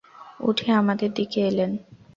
উঠে আমাদের দিকে এলেন।